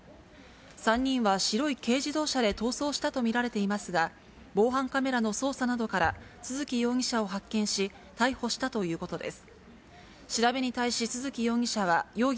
３人は白い軽自動車で逃走したと見られていますが、防犯カメラの捜査などから、都築容疑者を発見し、逮捕したということです。